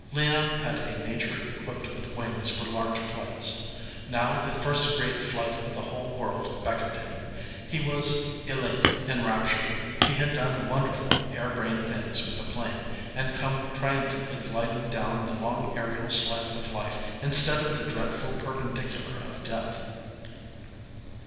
Leon had a nature equipped with wings for large flights. Now the first great flight of the whole world beck oned him. He was elate, enraptured. He had done wonderful, harebrained things with a plane, and come triumphantly gliding down the long aerial slant of life instead of the dreadful perpen dicular of death.